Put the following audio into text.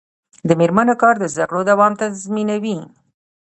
د میرمنو کار د زدکړو دوام تضمینوي.